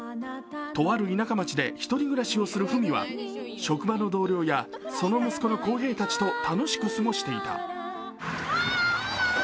とある田舎町で１人暮らしをする芙美は職場の同僚やその息子の航平たちと楽しく過ごしていた。